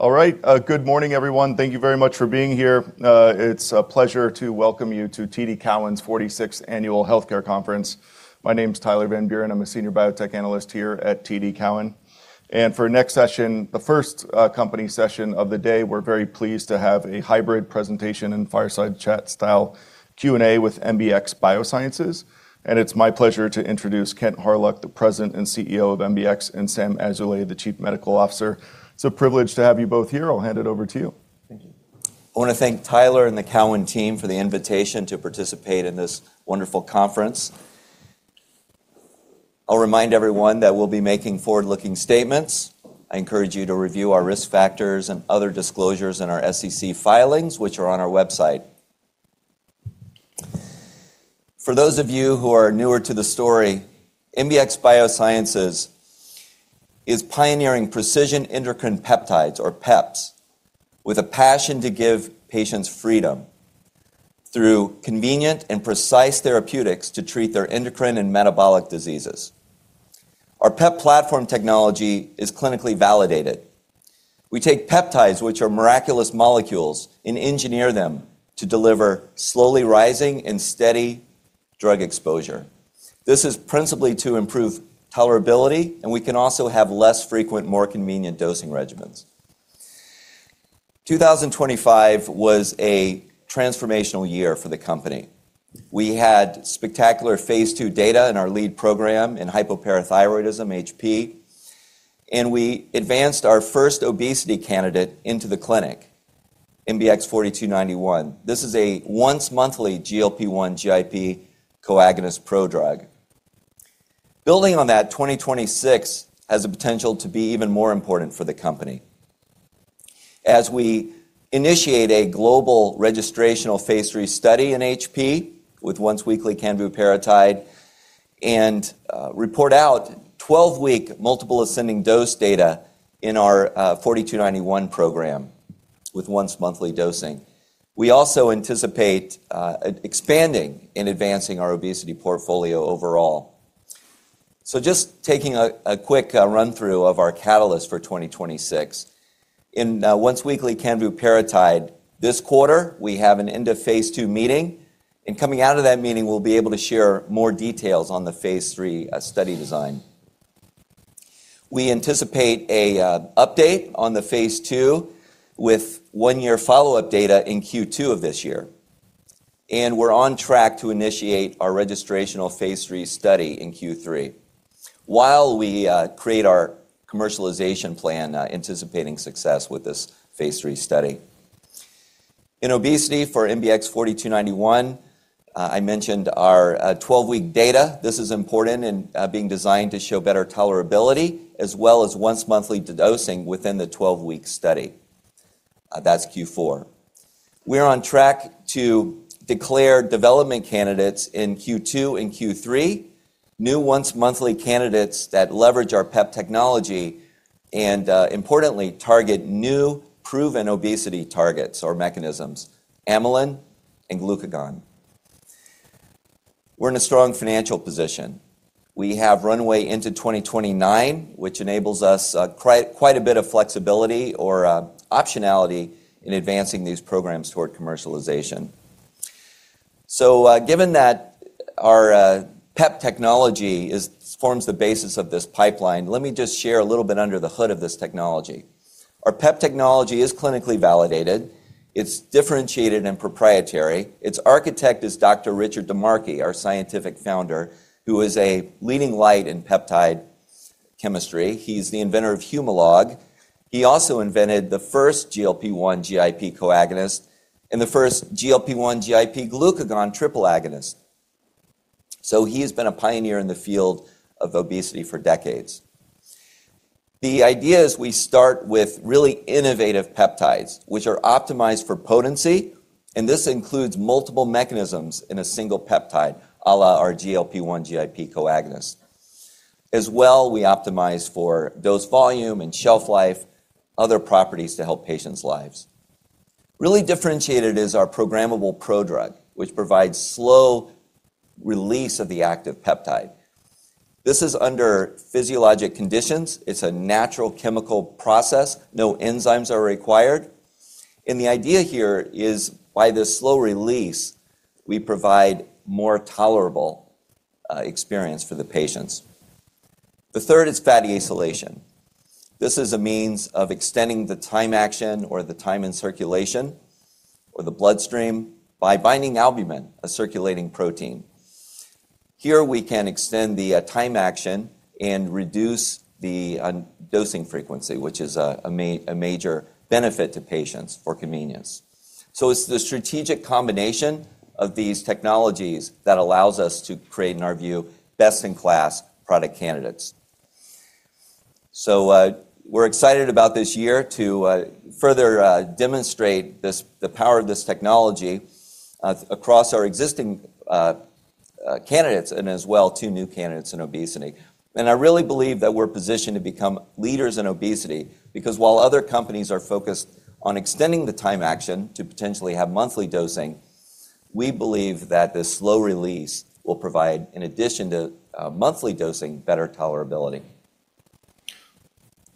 All right. Good morning, everyone. Thank you very much for being here. It's a pleasure to welcome you to TD Cowen's 46th Annual Healthcare Conference. My name is Tyler Van Buren. I'm a Senior Biotechnology Analyst here at TD Cowen. For our next session, the first company session of the day, we're very pleased to have a hybrid presentation and fireside chat style Q&A with MBX Biosciences. It's my pleasure to introduce Kent Hawryluk, the President and CEO of MBX, and Salomon Azoulay, the Chief Medical Officer. It's a privilege to have you both here. I'll hand it over to you. Thank you. I want to thank Tyler and the Cowen team for the invitation to participate in this wonderful conference. I'll remind everyone that we'll be making forward-looking statements. I encourage you to review our risk factors and other disclosures in our SEC filings, which are on our website. For those of you who are newer to the story, MBX Biosciences is pioneering Precision Endocrine Peptides or PEPs with a passion to give patients freedom through convenient and precise therapeutics to treat their endocrine and metabolic diseases. Our PEP platform technology is clinically validated. We take peptides, which are miraculous molecules, and engineer them to deliver slowly rising and steady drug exposure. This is principally to improve tolerability, we can also have less frequent, more convenient dosing regimens. 2025 was a transformational year for the company. We had spectacular phase II data in our lead program in hypoparathyroidism, HP, and we advanced our first obesity candidate into the clinic, MBX 4291. This is a once-monthly GLP-1 GIP coagonist prodrug. Building on that, 2026 has the potential to be even more important for the company as we initiate a global registrational phase III study in HP with once-weekly canvorparotide and report out 12 week multiple ascending dose data in our 4291 program with once-monthly dosing. We also anticipate expanding and advancing our obesity portfolio overall. Just taking a quick run-through of our catalyst for 2026. In once-weekly canvorparotide this quarter, we have an end of phase II meeting, and coming out of that meeting, we'll be able to share more details on the phase III study design. We anticipate a update on the phase II with one year follow-up data in Q2 of this year. We're on track to initiate our registrational phase III study in Q3 while we create our commercialization plan anticipating success with this phase III study. In obesity for MBX 4291, I mentioned our 12 week data. This is important and being designed to show better tolerability as well as once-monthly dosing within the 12 week study. That's Q4. We're on track to declare development candidates in Q2 and Q3, new once-monthly candidates that leverage our PEP technology and importantly, target new proven obesity targets or mechanisms, amylin and glucagon. We're in a strong financial position. We have runway into 2029, which enables us quite a bit of flexibility or optionality in advancing these programs toward commercialization. Given that our PEP Technology forms the basis of this pipeline, let me just share a little bit under the hood of this technology. Our PEP Technology is clinically validated. It's differentiated and proprietary. Its architect is Dr. Richard DiMarchi, our scientific founder, who is a leading light in peptide chemistry. He's the inventor of Humalog. He also invented the first GLP-1 GIP coagonist and the first GLP-1 GIP glucagon triple agonist. He has been a pioneer in the field of obesity for decades. The idea is we start with really innovative peptides, which are optimized for potency, and this includes multiple mechanisms in a single peptide, à la our GLP-1 GIP coagonist. As well, we optimize for dose volume and shelf life, other properties to help patients' lives. Really differentiated is our programmable prodrug, which provides slow release of the active peptide. This is under physiologic conditions. It's a natural chemical process. No enzymes are required. The idea here is by this slow release, we provide more tolerable experience for the patients. The third is fatty acylation. This is a means of extending the time action or the time in circulation or the bloodstream by binding albumin, a circulating protein. Here we can extend the time action and reduce the dosing frequency, which is a major benefit to patients for convenience. It's the strategic combination of these technologies that allows us to create, in our view, best-in-class product candidates. We're excited about this year to further demonstrate the power of this technology across our existing candidates and as well two new candidates in obesity. I really believe that we're positioned to become leaders in obesity because while other companies are focused on extending the time action to potentially have monthly dosing. We believe that this slow release will provide, in addition to, monthly dosing, better tolerability.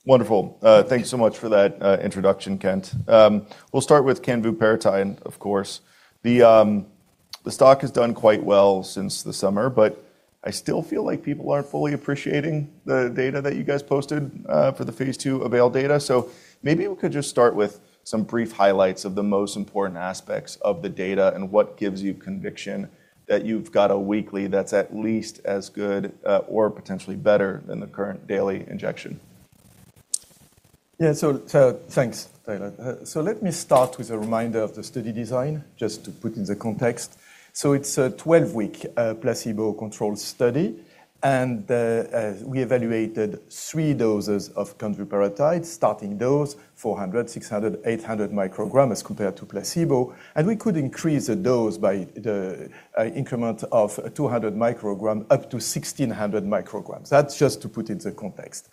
Wonderful. Thank you so much for that introduction, Kent. We'll start with canvorparotide, of course. The stock has done quite well since the summer, but I still feel like people aren't fully appreciating the data that you guys posted for the Phase II AVAIL data. Maybe we could just start with some brief highlights of the most important aspects of the data and what gives you conviction that you've got a weekly that's at least as good or potentially better than the current daily injection. Yeah. Thanks, Tyler. Let me start with a reminder of the study design, just to put in the context. It's a 12 week, placebo-controlled study, and we evaluated three doses of canvorparotide, starting dose 400, 600, 800 micrograms as compared to placebo. We could increase the dose by the increment of 200 micrograms up to 1,600 micrograms. That's just to put it in the context.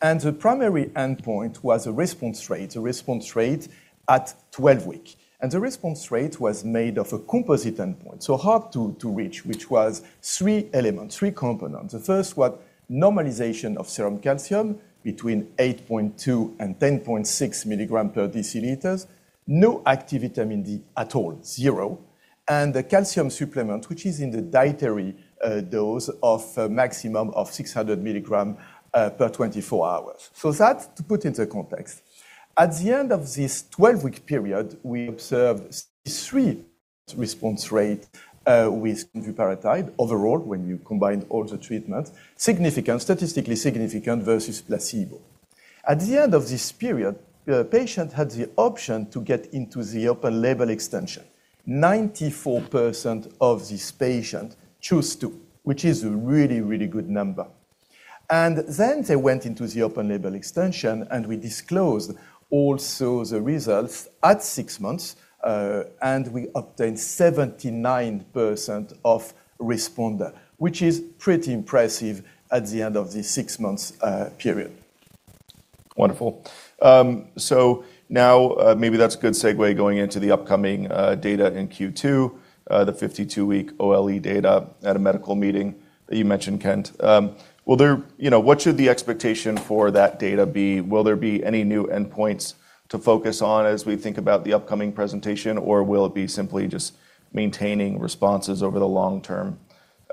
The primary endpoint was a response rate, a response rate at 12 weeks. The response rate was made of a composite endpoint, so hard to reach, which was three elements, three components. The first was normalization of serum calcium between 8.2 and 10.6 mg/dL, no active vitamin D at all, zero, and the calcium supplement, which is in the dietary dose of a maximum of 600 mg per 24 hours. That to put into context. At the end of this 12 week period, we observed three response rate with canvorparotide overall, when you combine all the treatments, significant, statistically significant versus placebo. At the end of this period, the patient had the option to get into the open-label extension. 94% of these patients choose to, which is a really, really good number. They went into the open-label extension, and we disclosed also the results at six months, and we obtained 79% of responder, which is pretty impressive at the end of the six months period. Wonderful. Now, maybe that's a good segue going into the upcoming data in Q2, the 52 week OLE data at a medical meeting that you mentioned, Kent. You know, what should the expectation for that data be? Will there be any new endpoints to focus on as we think about the upcoming presentation, or will it be simply just maintaining responses over the long term?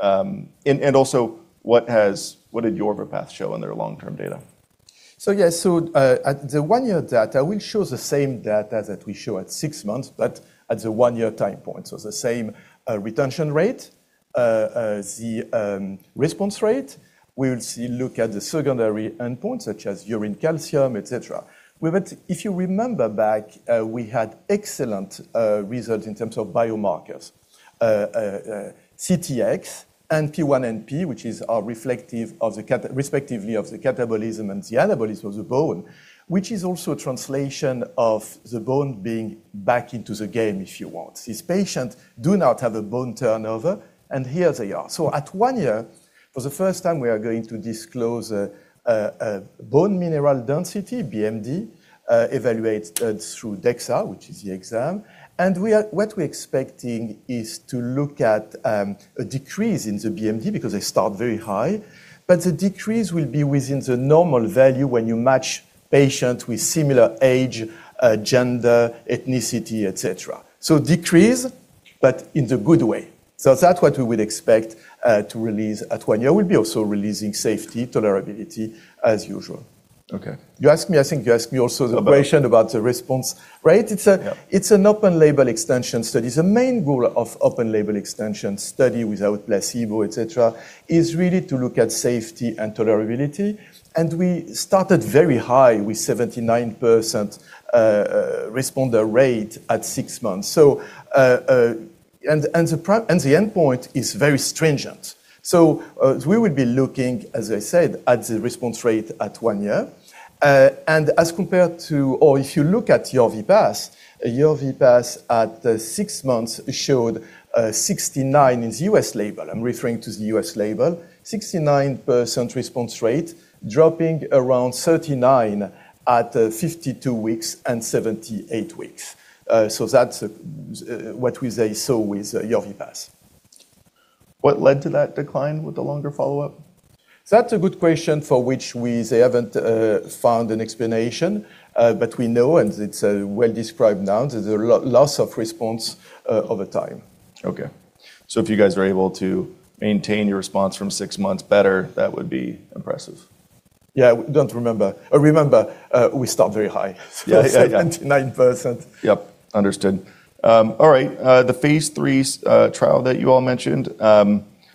And also what did YORVIPATH show in their long-term data? Yes. At the one-year data, we show the same data that we show at six months, but at the one-year time point. The same retention rate, the response rate. We look at the secondary endpoints such as urine calcium, et cetera. If you remember back, we had excellent results in terms of biomarkers. CTX and P1NP, which is reflective respectively of the catabolism and the anabolism of the bone, which is also a translation of the bone being back into the game, if you want. These patients do not have a bone turnover, and here they are. At one year, for the first time, we are going to disclose a bone mineral density, BMD, evaluated through DEXA, which is the exam. What we're expecting is to look at a decrease in the BMD because they start very high. The decrease will be within the normal value when you match patient with similar age, gender, ethnicity, et cetera. Decrease, but in the good way. That's what we would expect to release at one year. We'll be also releasing safety tolerability as usual. Okay. You asked me, I think you asked me also the question about the response, right? Yeah. It's an open-label extension study. The main goal of open-label extension study without placebo, et cetera, is really to look at safety and tolerability. We started very high with 79% responder rate at six months. The endpoint is very stringent. We will be looking, as I said, at the response rate at one year. As compared to or if you look at YORVIPATH at the six months showed 69% in the U.S. label. I'm referring to the U.S. label. 69% response rate dropping around 39% at 52 weeks and 78 weeks. That's what we say so with YORVIPATH. What led to that decline with the longer follow-up? That's a good question for which we say haven't found an explanation. We know, and it's well described now. There's a loss of response over time. Okay. If you guys were able to maintain your response from six months better, that would be impressive. Yeah. Don't remember. Remember, we start very high. Yeah, yeah. 79%. Yep, understood. All right. The phase III trial that you all mentioned,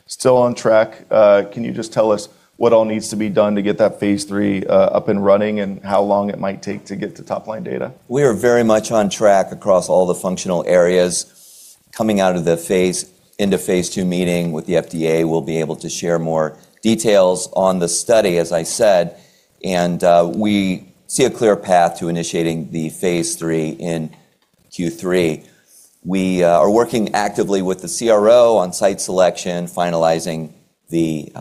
still on track. Can you just tell us what all needs to be done to get that phase III up and running and how long it might take to get to top-line data? We are very much on track across all the functional areas. Coming into phase II meeting with the FDA, we'll be able to share more details on the study, as I said. We see a clear path to initiating the phase III in Q3. We are working actively with the CRO on site selection, finalizing the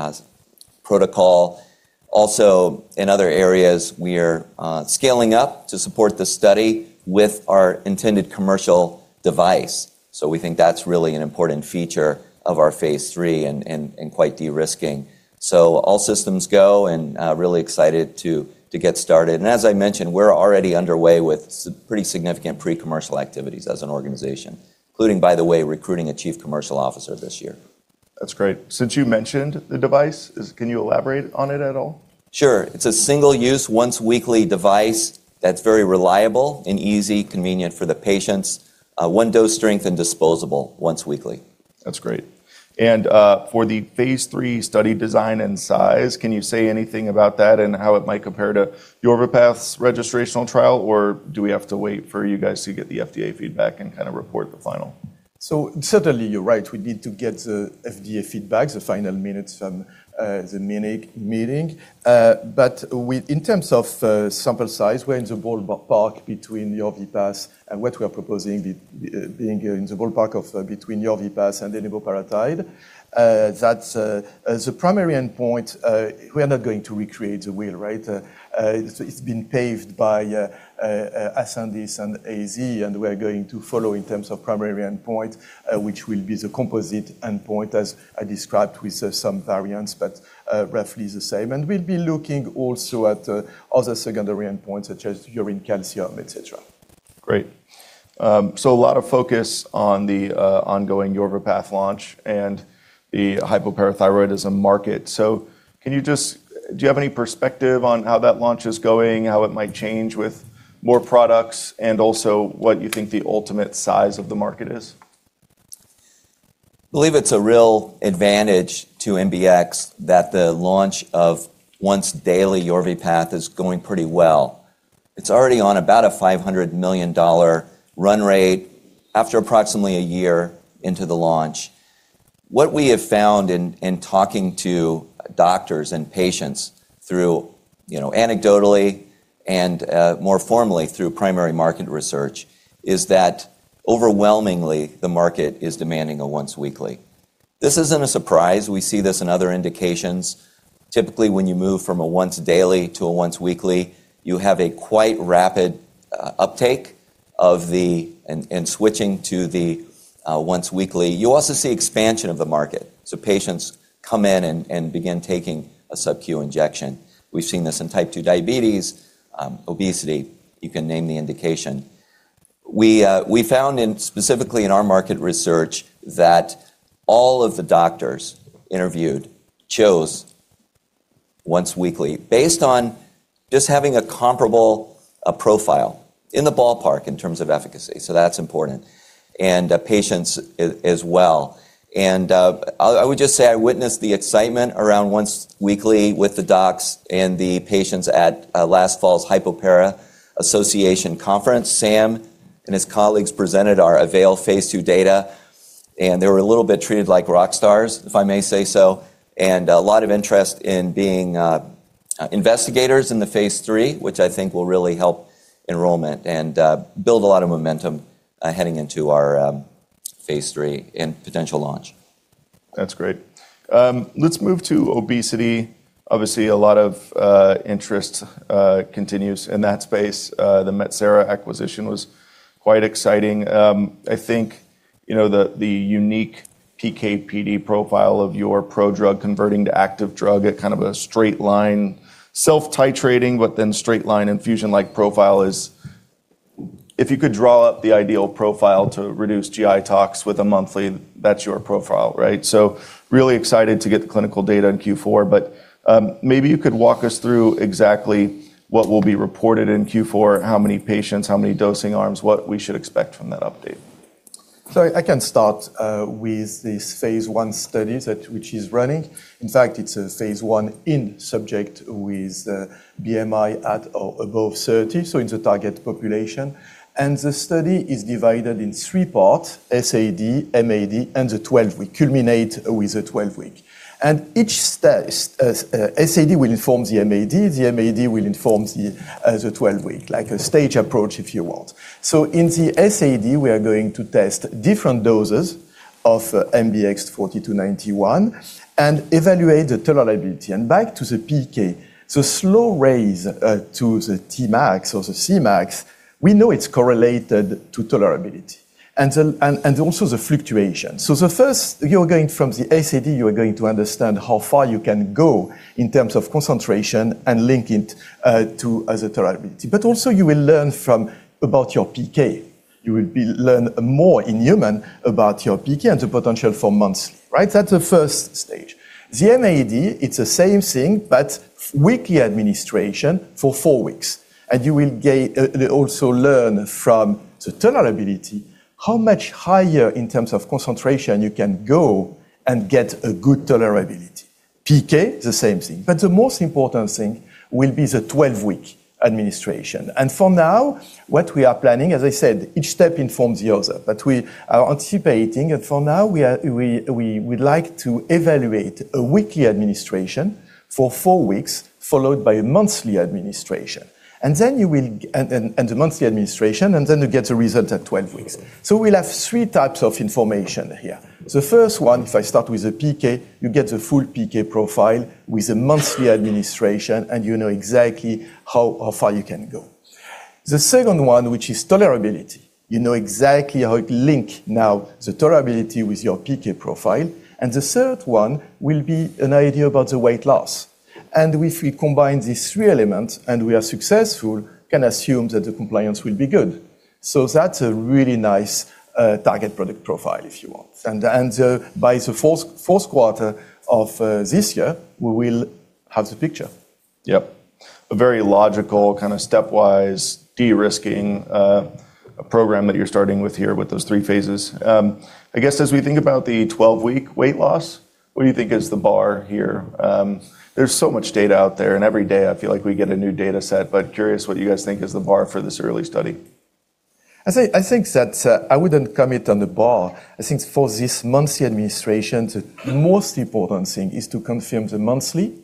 Protocol. Also, in other areas, we are scaling up to support the study with our intended commercial device. We think that's really an important feature of our phase III and quite de-risking. All systems go and really excited to get started. As I mentioned, we're already underway with pretty significant pre-commercial activities as an organization, including, by the way, recruiting a chief commercial officer this year. That's great. Since you mentioned the device, can you elaborate on it at all? Sure. It's a single-use once weekly device that's very reliable and easy, convenient for the patients. One dose strength and disposable once weekly. That's great. For the phase III study design and size, can you say anything about that and how it might compare to YORVIPATH's registrational trial, or do we have to wait for you guys to get the FDA feedback and kinda report the final? Certainly you're right. We need to get the FDA feedback, the final minutes from the Munich meeting. But in terms of sample size, we're in the ballpark between YORVIPATH and what we are proposing being in the ballpark of between YORVIPATH and the eneboparatide. That's as a primary endpoint, we are not going to recreate the wheel, right? It's been paved by Ascendis and AZ, and we are going to follow in terms of primary endpoint, which will be the composite endpoint as I described with some variants, but roughly the same. We'll be looking also at other secondary endpoints such as urine calcium, et cetera. Great. A lot of focus on the ongoing YORVIPATH launch and the hypoparathyroidism market. Do you have any perspective on how that launch is going, how it might change with more products, and also what you think the ultimate size of the market is? Believe it's a real advantage to MBX that the launch of once-daily YORVIPATH is going pretty well. It's already on about a $500 million run rate after approximately a year into the launch. What we have found in talking to doctors and patients through, you know, anecdotally and more formally through primary market research is that overwhelmingly the market is demanding a once weekly. This isn't a surprise. We see this in other indications. Typically, when you move from a once daily to a once weekly, you have a quite rapid uptake of the switching to the once weekly. You also see expansion of the market. Patients come in and begin taking a subQ injection. We've seen this in Type 2 diabetes, obesity. You can name the indication. We found in specifically in our market research that all of the doctors interviewed chose once weekly based on just having a comparable profile in the ballpark in terms of efficacy. That's important, and patients as well. I would just say I witnessed the excitement around once weekly with the docs and the patients at last fall's Hypoparathyroidism Association conference. Salomon and his colleagues presented our AVAIL phase two data, and they were a little bit treated like rock stars, if I may say so. A lot of interest in being investigators in the phase three, which I think will really help enrollment and build a lot of momentum heading into our phase three and potential launch. That's great. Let's move to obesity. Obviously, a lot of interest continues in that space. The Metsera acquisition was quite exciting. I think, you know, the unique PK/PD profile of your prodrug converting to active drug at kind of a straight line self-titrating, but then straight line infusion-like profile is if you could draw up the ideal profile to reduce GI toxicity with a monthly, that's your profile, right? Really excited to get the clinical data in Q4. Maybe you could walk us through exactly what will be reported in Q4, how many patients, how many dosing arms, what we should expect from that update? I can start with these Phase I studies at which is running. In fact, it's a Phase I in subject with BMI at or above 30, so in the target population. The study is divided in three parts: SAD, MAD, and the 12 week. Culminate with the 12 week. Each SAD will inform the MAD, the MAD will inform the 12 week, like a stage approach if you want. In the SAD, we are going to test different doses of MBX 4291 and evaluate the tolerability. Back to the PK, the slow raise to the Tmax or the Cmax, we know it's correlated to tolerability and also the fluctuation. The first, you're going from the SAD, you're going to understand how far you can go in terms of concentration and link it to the tolerability. Also you will learn about your PK. You will learn more in human about your PK and the potential for monthly, right? That's the first stage. The MAD, it's the same thing, but weekly administration for four weeks. You will also learn from the tolerability how much higher in terms of concentration you can go and get a good tolerability. PK, the same thing. The most important thing will be the 12 week administration. For now what we are planning, as I said, each step informs the other. We are anticipating, and for now we are, we'd like to evaluate a weekly administration for four weeks, followed by a monthly administration. Then you will and a monthly administration, and then you get a result at 12 weeks. We'll have three types of information here. The first one, if I start with the PK, you get the full PK profile with a monthly administration, and you know exactly how far you can go. The second one, which is tolerability. You know exactly how it link now the tolerability with your PK profile. The third one will be an idea about the weight loss. If we combine these three elements, and we are successful, can assume that the compliance will be good. That's a really nice target product profile, if you want. By the Q4 of this year, we will have the picture. Yep. A very logical kind of stepwise de-risking, a program that you're starting with here with those three phases. I guess as we think about the 12 week weight loss, what do you think is the bar here? There's so much data out there, and every day I feel like we get a new data set, but curious what you guys think is the bar for this early study. I think that I wouldn't commit on the bar. I think for this monthly administration, the most important thing is to confirm the monthly,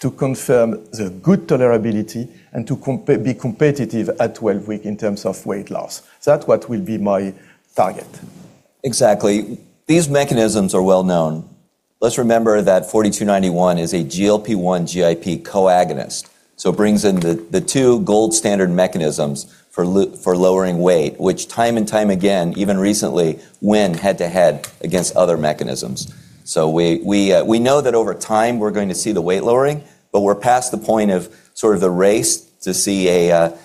to confirm the good tolerability, and to be competitive at 12 week in terms of weight loss. That's what will be my target. Exactly. These mechanisms are well known. Let's remember that MBX 4291 is a GLP-1 GIP co-agonist. It brings in the two gold standard mechanisms for lowering weight, which time and time again, even recently, win head-to-head against other mechanisms. We know that over time we're going to see the weight lowering, but we're past the point of sort of the race to see a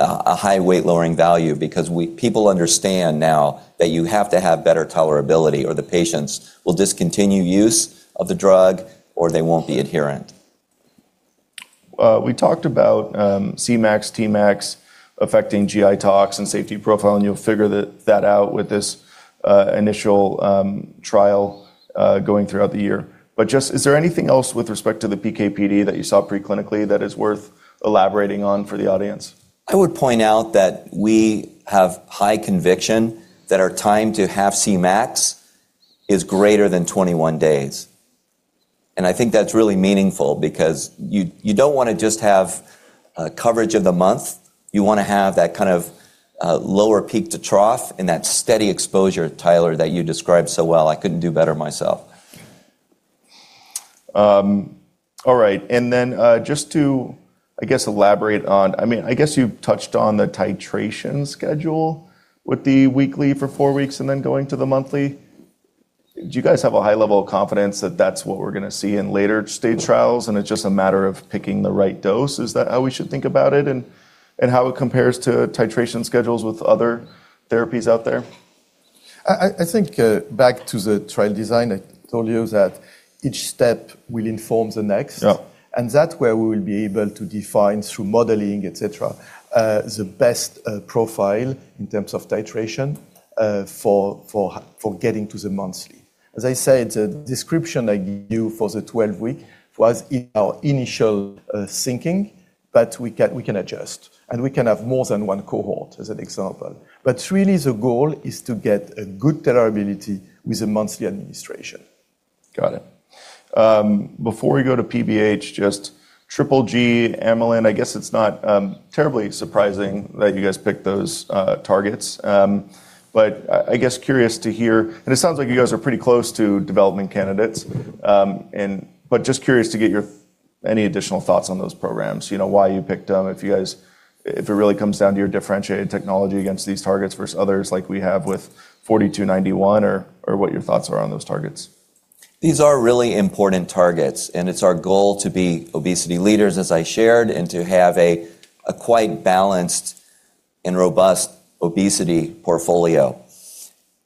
high weight-lowering value because people understand now that you have to have better tolerability or the patients will discontinue use of the drug or they won't be adherent. We talked about Cmax, Tmax affecting GI toxicity and safety profile, and you'll figure that out with this initial trial going throughout the year. Is there anything else with respect to the PK/PD that you saw pre-clinically that is worth elaborating on for the audience? I would point out that we have high conviction that our time to half Cmax is greater than 21 days. I think that's really meaningful because you don't wanna just have coverage of the month. You wanna have that kind of lower peak to trough and that steady exposure, Tyler, that you described so well. I couldn't do better myself. All right. Then, just to, I guess, elaborate on... I mean, I guess you touched on the titration schedule with the weekly for four weeks and then going to the monthly. Do you guys have a high level of confidence that that's what we're gonna see in later-stage trials, and it's just a matter of picking the right dose? Is that how we should think about it? And how it compares to titration schedules with other therapies out there. I think, back to the trial design, I told you that each step will inform the next. Yeah. That where we will be able to define through modeling, et cetera, the best profile in terms of titration for getting to the monthly. As I said, the description I gave you for the 12 week was in our initial thinking, but we can adjust, and we can have more than one cohort, as an example. Really the goal is to get a good tolerability with a monthly administration. Got it. Before we go to PBH, just triple G, amylin, I guess it's not terribly surprising that you guys picked those targets. I guess curious to hear. It sounds like you guys are pretty close to development candidates. Just curious to get your any additional thoughts on those programs. You know, why you picked them, if it really comes down to your differentiated technology against these targets versus others like we have with MBX 4291 or what your thoughts are on those targets. These are really important targets. It's our goal to be obesity leaders, as I shared, and to have a quite balanced and robust obesity portfolio.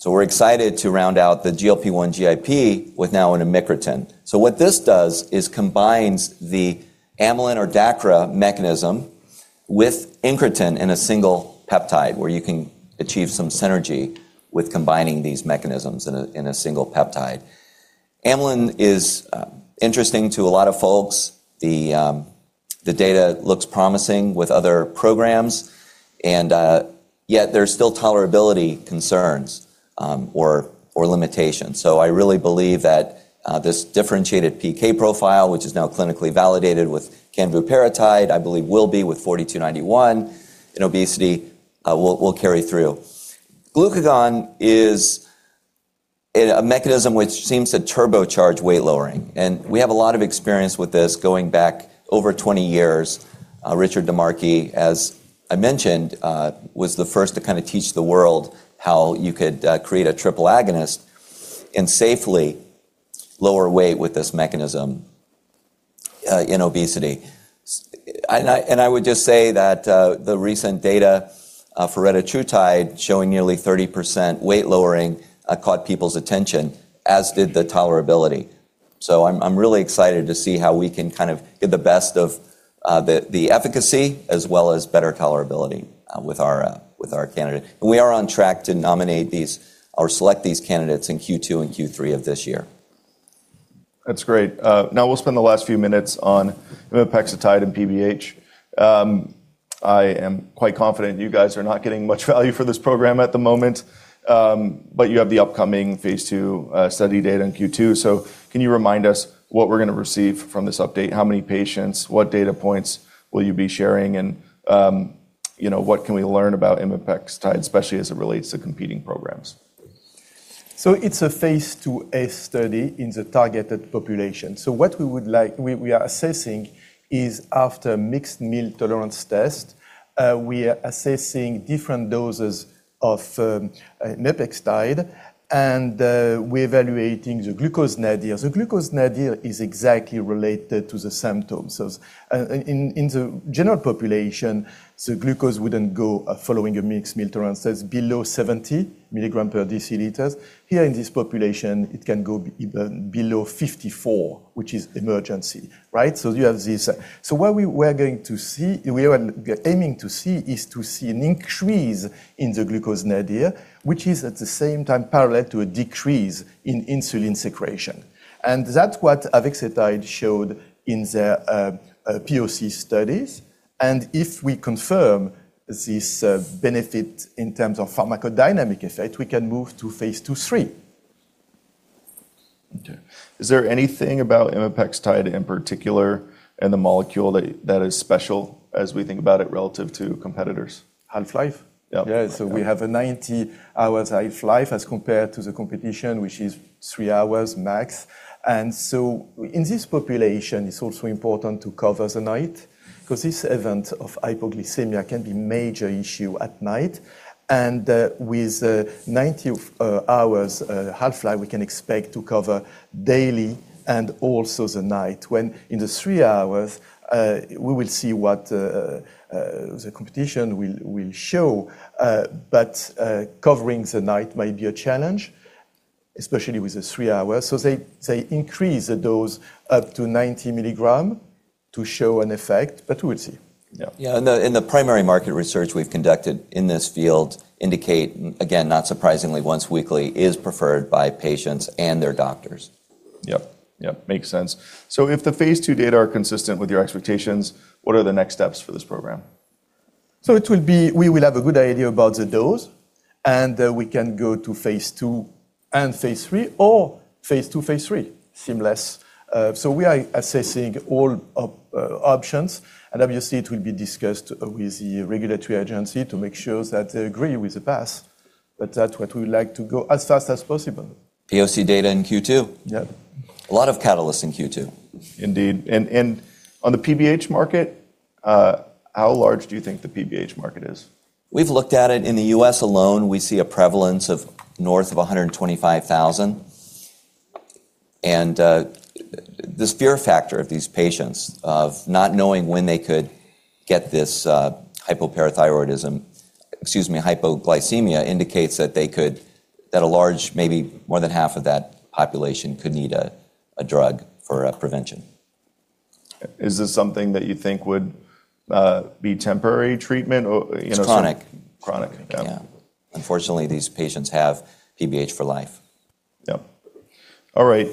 We're excited to round out the GLP-1 GIP with now an amycretin. What this does is combines the amylin or DACRA mechanism with incretin in a single peptide, where you can achieve some synergy with combining these mechanisms in a single peptide. Amylin is interesting to a lot of folks. The data looks promising with other programs, and yet there's still tolerability concerns or limitations. I really believe that this differentiated PK profile, which is now clinically validated with canvorparotide, I believe will be with 4291 in obesity, will carry through. Glucagon is a mechanism which seems to turbocharge weight lowering. We have a lot of experience with this going back over 20 years. Richard DiMarchi, as I mentioned, was the first to kinda teach the world how you could create a triple agonist and safely lower weight with this mechanism in obesity. I would just say that the recent data for retatrutide showing nearly 30% weight lowering caught people's attention, as did the tolerability. I'm really excited to see how we can kind of get the best of the efficacy as well as better tolerability with our candidate. We are on track to nominate these or select these candidates in Q2 and Q3 of this year. That's great. Now we'll spend the last few minutes on imapeptide and PBH. I am quite confident you guys are not getting much value for this program at the moment, but you have the upcoming phase two study data in Q2. Can you remind us what we're gonna receive from this update? How many patients? What data points will you be sharing? You know, what can we learn about imapeptide, especially as it relates to competing programs? It's a phase 2A study in the targeted population. What we are assessing is after mixed meal tolerance test, we are assessing different doses of imapeptide and we're evaluating the glucose nadir. The glucose nadir is exactly related to the symptoms. In the general population, the glucose wouldn't go following a mixed meal tolerance test below 70 milligram per deciliters. Here in this population, it can go below 54, which is emergency, right? You have this. What we are aiming to see is to see an increase in the glucose nadir, which is at the same time parallel to a decrease in insulin secretion. That's what avexitide showed in their POC studies. If we confirm this, benefit in terms of pharmacodynamic effect, we can move to phase II/III. Okay. Is there anything about imapeptide in particular in the molecule that is special as we think about it relative to competitors? Half-life? Yeah. Yeah. We have a 90 hours half-life as compared to the competition, which is three hours max. In this population, it's also important to cover the night 'cause this event of hypoglycemia can be major issue at night. With 90 hours half-life, we can expect to cover daily and also the night. When in the three hours, we will see what the competition will show. Covering the night might be a challenge, especially with the three hours. They increase the dose up to 90 milligram to show an effect, we'll see. Yeah. Yeah. In the primary market research we've conducted in this field indicate, again, not surprisingly, once weekly is preferred by patients and their doctors. Yep. Yep. Makes sense. If the phase II data are consistent with your expectations, what are the next steps for this program? We will have a good idea about the dose, and we can go to phase two and phase three or phase two, phase three seamless. We are assessing all options, and obviously it will be discussed with the regulatory agency to make sure that they agree with the path. That's what we would like to go as fast as possible. POC data in Q2. Yeah. A lot of catalysts in Q2. Indeed. On the PBH market, how large do you think the PBH market is? We've looked at it. In the U.S. alone, we see a prevalence of north of 125,000. This fear factor of these patients of not knowing when they could get this hypoglycemia indicates that a large, maybe more than half of that population could need a drug for prevention. Is this something that you think would be temporary treatment or, you know? It's chronic. Chronic. Okay. Yeah. Unfortunately, these patients have PBH for life. Yeah. All right.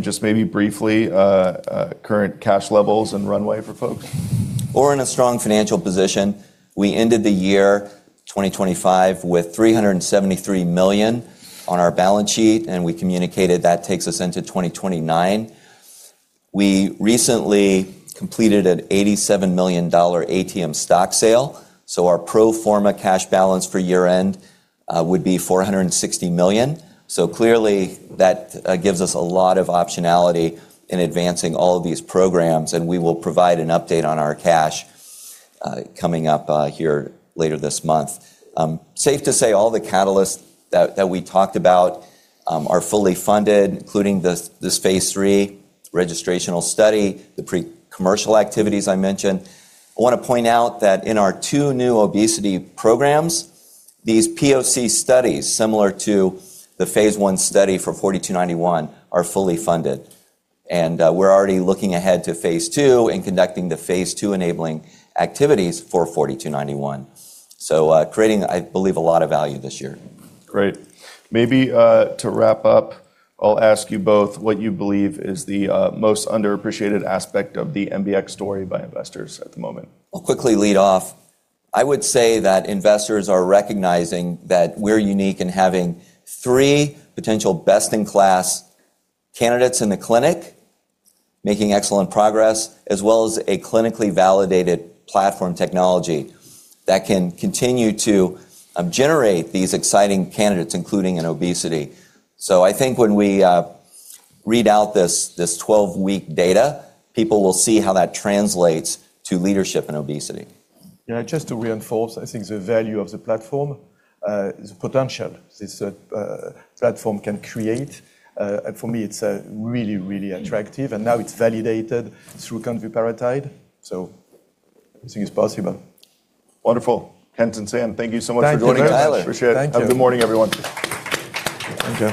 Just maybe briefly, current cash levels and runway for folks. We're in a strong financial position. We ended the year 2025 with $373 million on our balance sheet. We communicated that takes us into 2029. We recently completed an $87 million ATM stock sale. Our pro forma cash balance for year-end would be $460 million. Clearly that gives us a lot of optionality in advancing all of these programs. We will provide an update on our cash coming up here later this month. Safe to say all the catalysts that we talked about are fully funded, including this phase III registrational study, the pre-commercial activities I mentioned. I wanna point out that in our two new obesity programs, these POC studies, similar to the phase I study for 4291, are fully funded. We're already looking ahead to phase II and conducting the phase II enabling activities for MBX 4291. Creating, I believe, a lot of value this year. Great. Maybe, to wrap up, I'll ask you both what you believe is the most underappreciated aspect of the MBX story by investors at the moment. I'll quickly lead off. I would say that investors are recognizing that we're unique in having three potential best-in-class candidates in the clinic making excellent progress, as well as a clinically validated platform technology that can continue to generate these exciting candidates, including in obesity. I think when we read out this 12 week data, people will see how that translates to leadership in obesity. Yeah. Just to reinforce, I think the value of the platform, the potential this platform can create. For me, it's really, really attractive. Now it's validated through canvorparotide. I think it's possible. Wonderful. Kent and Sam, thank you so much for joining us. Thank you. Thank you. Appreciate it. Thank you. Have a good morning, everyone. Thank you.